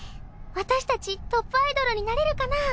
私たちトップアイドルになれるかなぁ？